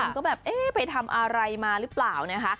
ก็แบบเอ๊ะไปทำอะไรมาหรือเปล่านะคะ